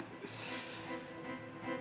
kalau meski lu kesekian